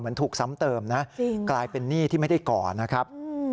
ถูกซ้ำเติมนะกลายเป็นหนี้ที่ไม่ได้ก่อนะครับ